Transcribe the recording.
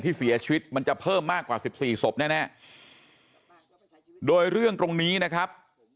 ที่เสียชีวิตมันจะเพิ่มมากกว่าสิบสี่ศพแน่โดยเรื่องตรงนี้นะครับ